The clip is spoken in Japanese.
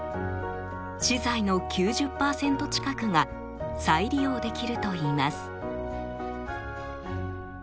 資材の９０％近くが再利用できるといいます。